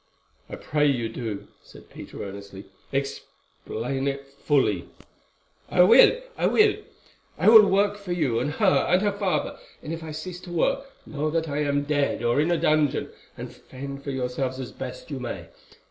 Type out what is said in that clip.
"I pray you, do," said Peter earnestly—"explain it fully." "I will—I will. I will work for you and her and her father, and if I cease to work, know that I am dead or in a dungeon, and fend for yourselves as best you may.